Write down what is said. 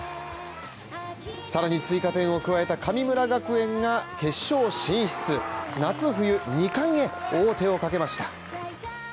さらに追加点を加えた神村学園が決勝進出夏冬２冠へ王手をかけました。